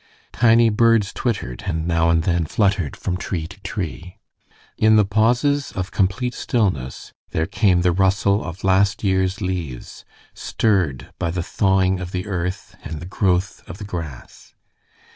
Tiny birds twittered, and now and then fluttered from tree to tree. In the pauses of complete stillness there came the rustle of last year's leaves, stirred by the thawing of the earth and the growth of the grass.